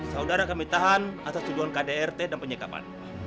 saudara kami tahan atas tuduhan kdrt dan penyekapan